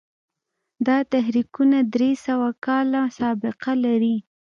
دا تحریکونه درې سوه کاله سابقه لري.